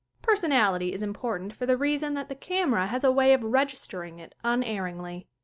Personality is important for the reason that the camera has a way of registering it un erringly.